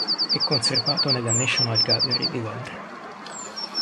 È conservato nella National Gallery di Londra.